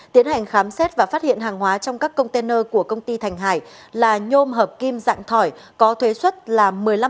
tiến hành khám xét và phát hiện hàng hóa trong các container của công ty thành hải là nhôm hợp kim dạng thỏi có thuế xuất là một mươi năm